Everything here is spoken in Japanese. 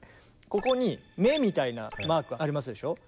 ここに目みたいなマークありますでしょう。